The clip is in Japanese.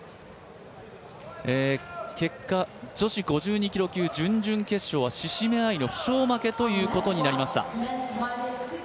結果、女子５２キロ級準々決勝は志々目愛の負傷負けということになりました。